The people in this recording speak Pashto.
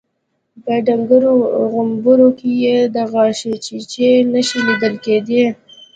په ډنګرو غومبرو کې يې د غاښچيچي نښې ليدل کېدې.